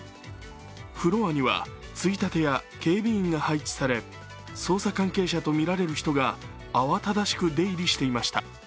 フロアには、ついたてや警備員が配置され、捜査関係者とみられる人が慌ただしく出入りしていました。